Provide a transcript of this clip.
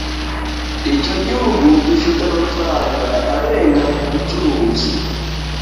Icyo gihugu gifite amafaranga arenga ku bucuruzi.